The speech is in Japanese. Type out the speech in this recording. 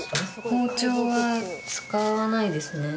包丁は使わないですね。